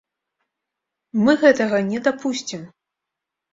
Мы гэтага не дапусцім!